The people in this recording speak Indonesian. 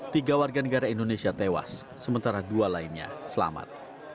tiga warga negara indonesia tewas sementara dua lainnya selamat